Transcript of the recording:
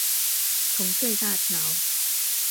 重翠大橋